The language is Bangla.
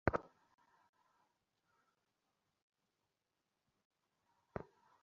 ম্যাক্সমূলার দিন দিন আরও বেশী করে বন্ধুভাবাপন্ন হচ্ছেন।